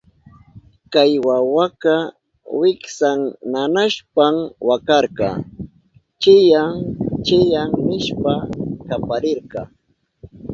Kay wawaka wiksan nanashpan wakarka, chiyán chiyán nishpa kaparirka.